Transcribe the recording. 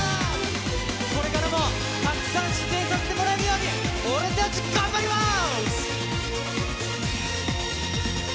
これからもたくさん出演させてもらえるように俺たち、頑張ります！